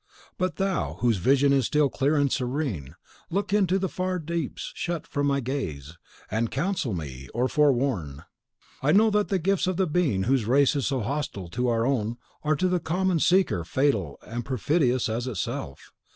But thou, whose vision is still clear and serene, look into the far deeps shut from my gaze, and counsel me, or forewarn! I know that the gifts of the Being whose race is so hostile to our own are, to the common seeker, fatal and perfidious as itself.